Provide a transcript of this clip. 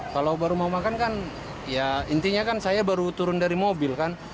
kalau baru mau makan kan ya intinya kan saya baru turun dari mobil kan